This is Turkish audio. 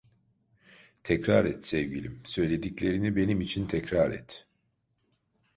Tekrar et sevgilim, söylediklerini benim için tekrar et…